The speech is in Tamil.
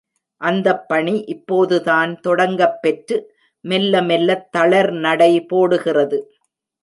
அந்தப் பணி இப்போதுதான் தொடங்கப்பெற்று மெல்ல மெல்லத் தளர்நடை போடுகிறது.